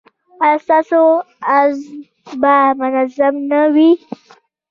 ایا ستاسو نبض به منظم نه وي؟